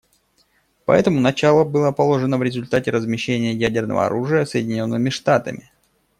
Поэтому начало было положено в результате размещения ядерного оружия Соединенными Штатами.